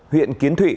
huyện kiến thụy